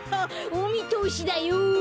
おみとおしだよだ！